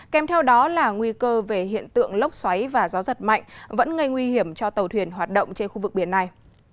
kèm theo đó là nguy cơ về hiện tượng lốc xoáy và gió giật mạnh vẫn gây nguy hiểm cho tàu thuyền hoạt động trên khu vực biển này